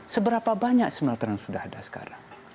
seberapa banyak smelter yang sudah ada sekarang